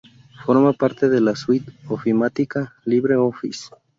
Forma parte de la suite ofimática LibreOffice.